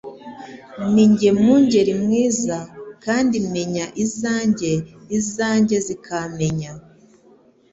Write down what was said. "Ninjye mwungeri mwiza, kandi menya izanjye, izanjye zikamenya,